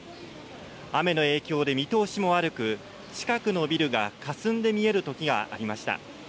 雨の影響で見通しも悪く近くのビルがかすんで見えるときがありました。